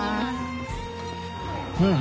うん！